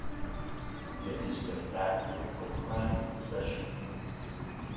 Then he stepped back with a low cry of pleasure.